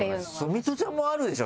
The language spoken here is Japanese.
ミトちゃんもあるでしょ？